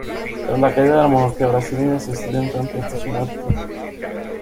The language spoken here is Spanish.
Tras la caída de la monarquía brasileña se exilió en Francia hasta su muerte.